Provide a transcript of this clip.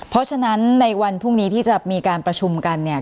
เพราะฉะนั้นในวันพรุ่งนี้ที่จะมีการประชุมกันเนี่ย